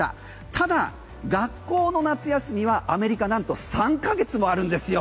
ただ、学校の夏休みはアメリカなんと３ヶ月もあるんですよ。